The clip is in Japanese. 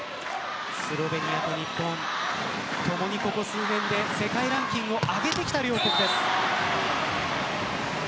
スロベニアと日本ともにここ数年で世界ランキングを上げてきた両国です。